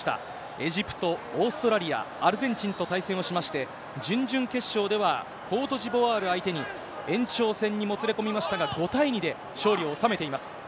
エジプト、オーストラリア、アルゼンチンと対戦をしまして、準々決勝では、コートジボワール相手に、延長戦にもつれ込みましたが、５対２で勝利を収めています。